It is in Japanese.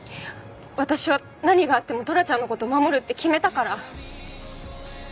私は何があってもトラちゃんの事守るって決めたから。